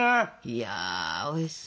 いやおいしそう。